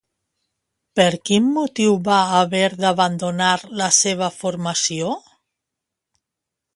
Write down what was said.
Per quin motiu va haver d'abandonar la seva formació?